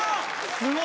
すごい！